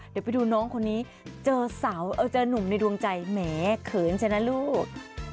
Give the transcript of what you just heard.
เดี๋ยวไปดูน้องคนนี้เจอเสาเจอนุ่มในดวงใจแหมเขินใช่ไหมลูก